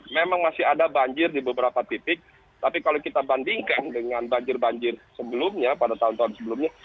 memang masih ada banjir di beberapa titik tapi kalau kita bandingkan dengan banjir banjir sebelumnya pada tahun tahun sebelumnya